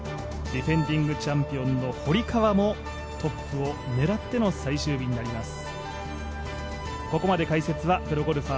ディフェンディングチャンピオンの堀川もトップを狙っての最終日となります。